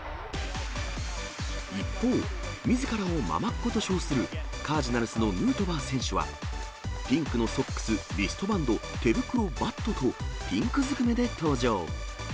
一方、みずからをママっ子と称するカージナルスのヌートバー選手は、ピンクのソックス、リストバンド、手袋、バットとピンクずくめで登場。